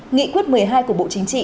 nghị quyết một mươi hai của bộ chính trị